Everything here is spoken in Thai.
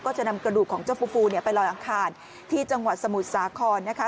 จะนำกระดูกของเจ้าฟูฟูไปลอยอังคารที่จังหวัดสมุทรสาครนะคะ